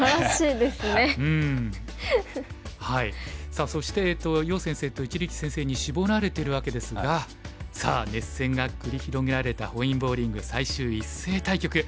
さあそして余先生と一力先生に絞られているわけですがさあ熱戦が繰り広げられた本因坊リーグ最終一斉対局